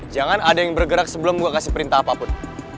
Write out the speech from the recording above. jangan ada yang bergerak sebelum gue kasih perintah apapun